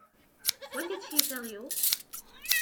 When did she tell you?